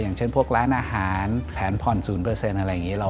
อย่างเช่นพวกร้านอาหารแผนผ่อน๐อะไรอย่างนี้